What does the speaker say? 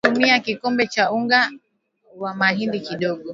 tumia kikombe cha unga wa mahindi kidogo